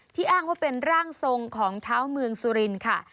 อ้างว่าเป็นร่างทรงของเท้าเมืองสุรินทร์ค่ะ